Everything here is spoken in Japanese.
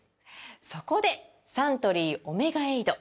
そこでサントリー「オメガエイド」！